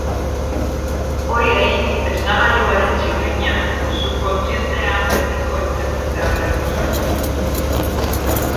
Horiei esnagailuaren txirrina subkontzientean betiko itsatsita geratu zaie.